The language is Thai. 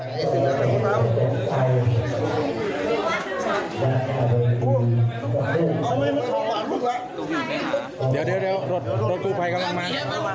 เดี๋ยวรถกู้ภัยกำลังมา